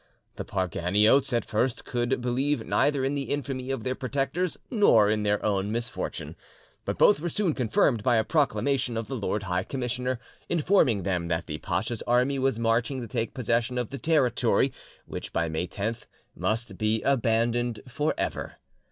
The Parganiotes at first could believe neither in the infamy of their protectors nor in their own misfortune; but both were soon confirmed by a proclamation of the Lord High Commissioner, informing them that the pacha's army was marching to take possession of the territory which, by May 10th, must be abandoned for ever.